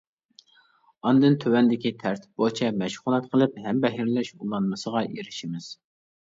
ئاندىن تۆۋەندىكى تەرتىپ بويىچە مەشغۇلات قىلىپ ھەمبەھىرلەش ئۇلانمىسىغا ئېرىشىمىز.